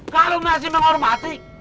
kalo masih menghormati